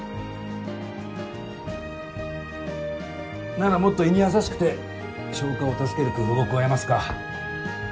ならもっと胃に優しくて消化を助ける工夫を加えますか。